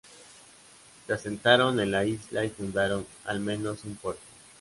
Se asentaron en la isla y fundaron, al menos, un puerto.